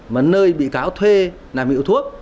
mà nơi bị cáo thuê là mịu thuốc